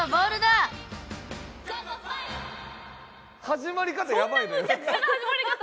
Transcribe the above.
始まり方やばいのよ。